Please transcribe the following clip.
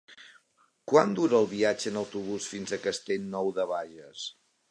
Quant dura el viatge en autobús fins a Castellnou de Bages?